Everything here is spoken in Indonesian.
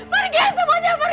pergi semuanya pergi